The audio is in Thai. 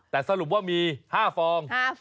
แต่สรุปว่ามี๕ฟอง